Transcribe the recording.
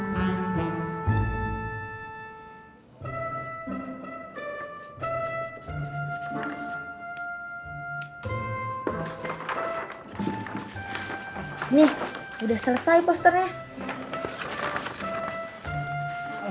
nih udah selesai posternya